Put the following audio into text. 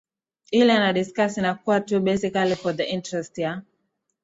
ile anadiscuss inakuwa tu basically for the interest ya